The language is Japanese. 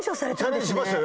チャレンジしましたよ